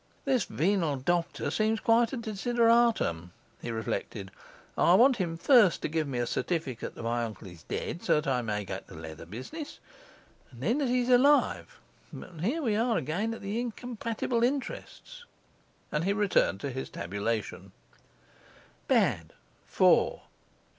'This venal doctor seems quite a desideratum,' he reflected. 'I want him first to give me a certificate that my uncle is dead, so that I may get the leather business; and then that he's alive but here we are again at the incompatible interests!' And he returned to his tabulation: Bad. Good.